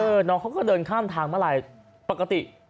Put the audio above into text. น้องเขาก็เดินข้ามทางมาลายปกติ